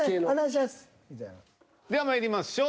ではまいりましょう。